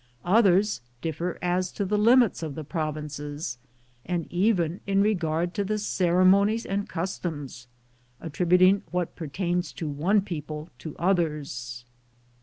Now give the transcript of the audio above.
Others differ aa to the limits ligirized I:, G00gk' PREFACE of the provinces and even in regard to the ceremonies and customs, attributing what pertains to one people to others.